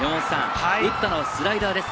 打ったのはスライダーです。